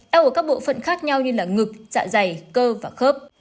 đau ở các bộ phận khác nhau như là ngực dạ dày cơ và khớp